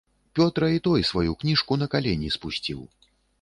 Пётра і той сваю кніжку на калені спусціў.